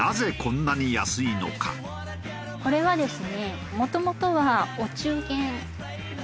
これはですね